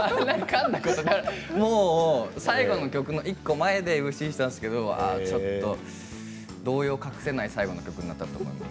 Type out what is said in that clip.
もう最後の曲の１個前でＭＣしたんですけど動揺を隠せない最後の曲になったと思います。